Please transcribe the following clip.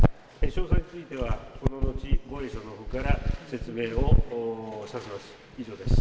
詳細については、この後、防衛省のほうから説明をいたします。